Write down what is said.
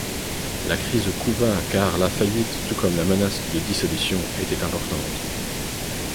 La crise couva car la faillite tout comme la menace de dissolution était importante.